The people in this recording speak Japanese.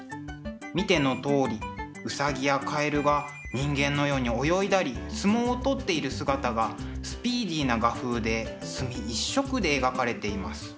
見てのとおりウサギやカエルが人間のように泳いだり相撲を取っている姿がスピーディーな画風で墨一色で描かれています。